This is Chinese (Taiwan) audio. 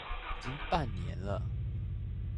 已經半年了